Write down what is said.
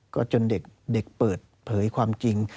ก็จนเด็กเปิดเผยความจริง